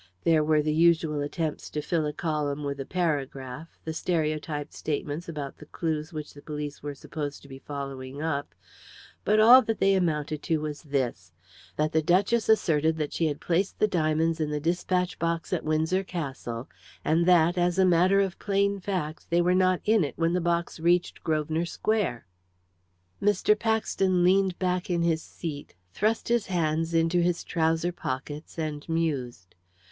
There were the usual attempts to fill a column with a paragraph; the stereotyped statements about the clues which the police were supposed to be following up, but all that they amounted to was this: that the duchess asserted that she had placed the diamonds in the despatch box at Windsor Castle, and that, as a matter of plain fact, they were not in it when the box reached Grosvenor Square. Mr. Paxton leaned back in his seat, thrust his hands into his trouser pockets, and mused.